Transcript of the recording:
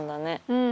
うん。